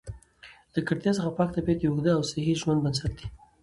له ککړتیا څخه پاک طبیعت د اوږده او صحي ژوند بنسټ دی.